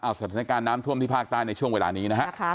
สถานการณ์น้ำท่วมที่ภาคใต้ในช่วงเวลานี้นะฮะ